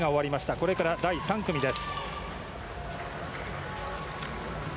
これから第３組です。